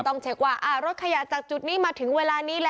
ต้องเช็คว่ารถขยะจากจุดนี้มาถึงเวลานี้แล้ว